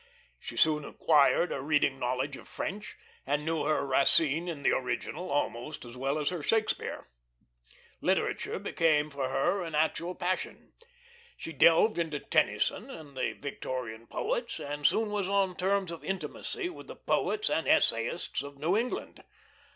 She soon acquired a reading knowledge of French, and knew her Racine in the original almost as well as her Shakespeare. Literature became for her an actual passion. She delved into Tennyson and the Victorian poets, and soon was on terms of intimacy with the poets and essayists of New England.